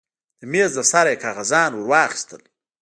د مېز له سره يې کاغذان ورواخيستل.